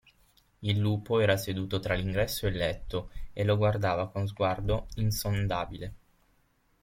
Il lupo era seduto tra l'ingresso e il letto, e lo guardava con sguardo insondabile.